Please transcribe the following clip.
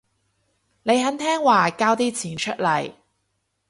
你肯聽話交啲錢出嚟